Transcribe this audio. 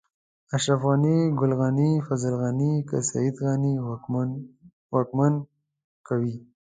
اشرف غني، ګل غني، فضل غني، که سيد غني واکمن کوي.